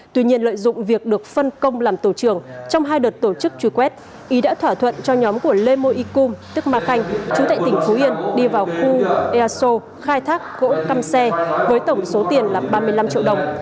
tuy nhiên lợi dụng việc được phân công làm tổ trưởng trong hai đợt tổ chức truy quét ý đã thỏa thuận cho nhóm của lê mô y cung tức ma khanh chú tệ tỉnh phú yên đi vào khu easo khai thác gỗ cam xe với tổng số tiền là ba mươi năm triệu đồng